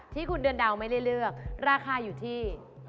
ที่คุณเดือนดาวไม่ได้เลือกราคาอยู่ที่